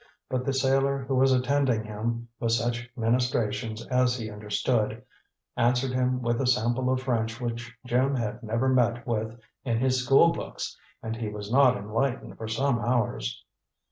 But the sailor who was attending him with such ministrations as he understood, answered him with a sample of French which Jim had never met with in his school books, and he was not enlightened for some hours.